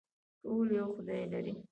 ټول یو خدای لري